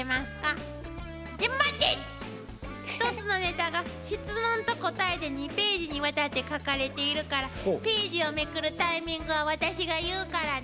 １つのネタが質問と答えで２ページにわたって書かれているからページをめくるタイミングは私が言うからね。